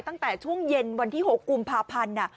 ตั้งแต่ช่วงเย็นวันที่๖กุมภาพันธ์